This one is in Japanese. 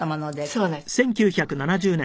そうです。